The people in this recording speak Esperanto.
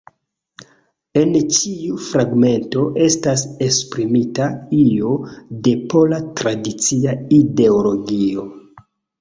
En ĉiu fragmento estas esprimita io de pola tradicia ideologio.